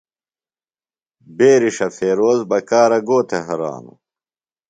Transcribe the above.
بیرݜہ فیروز بکارہ گو تھےۡ ہرانوۡ؟